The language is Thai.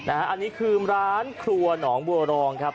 อันนี้คือร้านครัวหนองบัวรองครับ